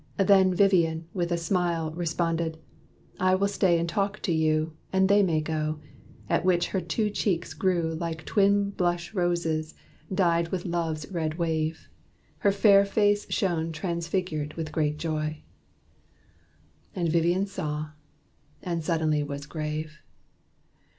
Then Vivian, with a smile, Responded, "I will stay and talk to you, And they may go;" at which her two cheeks grew Like twin blush roses; dyed with love's red wave, Her fair face shone transfigured with great joy. And Vivian saw and suddenly was grave.